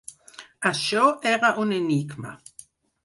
Això era un enigma.